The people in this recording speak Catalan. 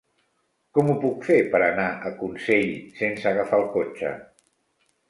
Com ho puc fer per anar a Consell sense agafar el cotxe?